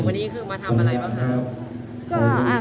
มีคงมีการถามวันนี้คือมาทำอะไรบ้าง